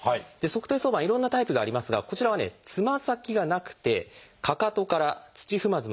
足底挿板いろんなタイプがありますがこちらはつま先がなくてかかとから土踏まずまでのタイプ。